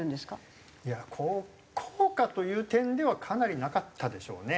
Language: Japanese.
いや効果という点ではかなりなかったでしょうね。